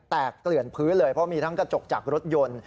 เกลื่อนพื้นเลยเพราะมีทั้งกระจกจากรถยนต์